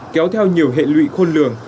kéo theo nhiều hệ lụy khôn lường